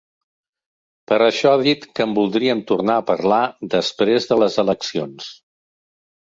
Per això ha dit que en voldrien tornar a parlar després de les eleccions.